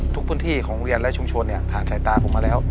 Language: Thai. ทุกพื้นที่ของโรงเรียนและชุมชนผ่านสายตาผมมาแล้ว